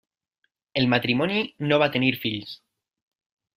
El matrimoni no va tenir fills.